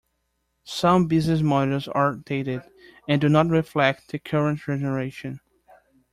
Some business models are dated and do not reflect the current generation.